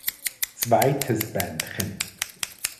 Zweites Bändchen.